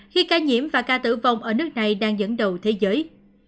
khi ca nhiễm và ca tử vong ở nước này đang dẫn đầu thế giới